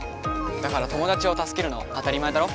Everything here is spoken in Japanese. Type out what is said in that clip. だからトモダチをたすけるのは当たり前だろ。